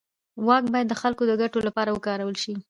واک باید د خلکو د ګټو لپاره وکارول شي.